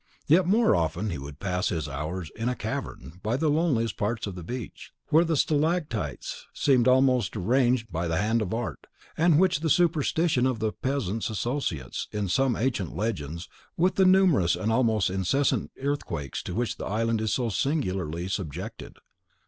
Yet more often would he pass his hours in a cavern, by the loneliest part of the beach, where the stalactites seem almost arranged by the hand of art, and which the superstition of the peasants associates, in some ancient legends, with the numerous and almost incessant earthquakes to which the island is so singularly subjected.